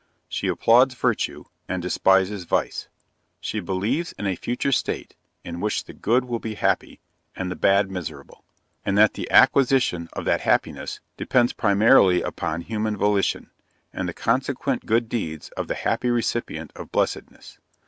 She applauds virtue, and despises vice. She believes in a future state, in which the good will be happy, and the bad miserable; and that the acquisition of that happiness, depends primarily upon human volition, and the consequent good deeds of the happy recipient of blessedness.